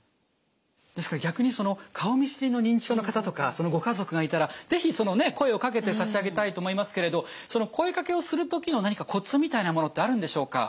ですから逆に顔見知りの認知症の方とかそのご家族がいたら是非声をかけてさしあげたいと思いますけれど声かけをする時の何かコツみたいなものってあるんでしょうか？